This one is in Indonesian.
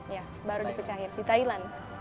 ya baru dipecahin di thailand